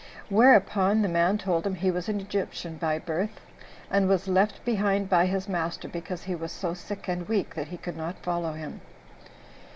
Whereupon the man told him he was an Egyptian by birth, and was left behind by his master, because he was so sick and weak that he could not follow him.